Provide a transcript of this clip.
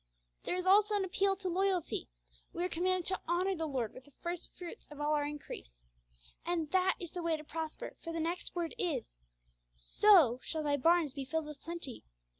There is also an appeal to loyalty: we are commanded to honour the Lord with the first fruits of all our increase. And that is the way to prosper, for the next word is, 'So shall thy barns be filled with plenty.'